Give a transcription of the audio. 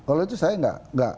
kalau itu saya tidak